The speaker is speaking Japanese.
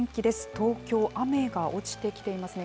東京、雨が落ちてきていますね。